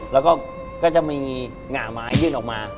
แล้วก็จะมีหง่าไม้ยื่นออกมา